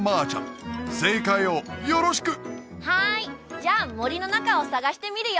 じゃあ森の中を探してみるよ